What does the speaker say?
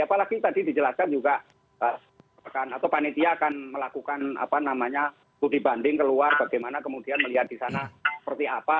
apalagi tadi dijelaskan juga pak panitia akan melakukan apa namanya kudibanding keluar bagaimana kemudian melihat di sana seperti apa